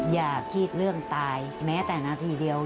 อย่าคิดเรื่องตายแม้แต่นาทีเดียว